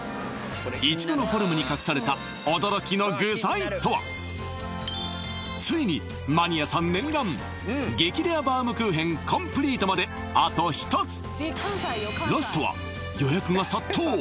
イチゴのフォルムに隠された驚きの具材とはついにマニアさん念願激レアバウムクーヘンコンプリートまであと１つラストは予約が殺到